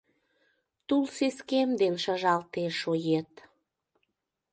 Тул сескем ден шыжалтеш оет.